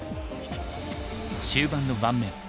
終盤の盤面。